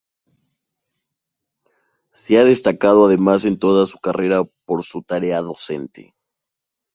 Se ha destacado además en toda su carrera por su tarea docente.